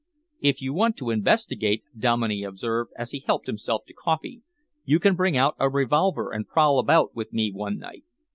"If you want to investigate," Dominey observed, as he helped himself to coffee, "you can bring out a revolver and prowl about with me one night.